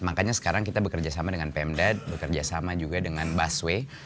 makanya sekarang kita bekerja sama dengan pemda bekerja sama juga dengan busway